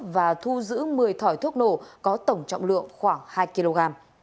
và thu giữ một mươi thỏi thuốc nổ có tổng trọng lượng khoảng hai kg